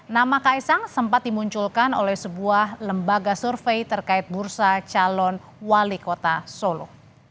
nama kaisang sempat dimunculkan oleh sebuah lembaga survei terkait bursa calon wali kota solo